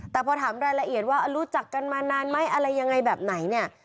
แต่พอถามรายละเอียดว่ารู้จักกันมานานไหมอะไรยังไงแบบไหนเนี่ย